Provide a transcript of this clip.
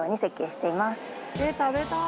えっ食べたい！